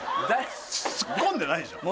ツッコんでないじゃん